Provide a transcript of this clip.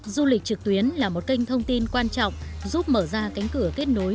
du lịch trực tuyến là một kênh thông tin quan trọng giúp mở ra cánh cửa kết nối